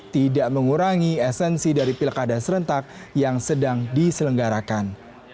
tidak mengurangi esensi dari pilkada serentak yang sedang diselenggarakan